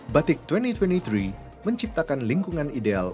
batik dua ribu dua puluh tiga menciptakan lingkungan ideal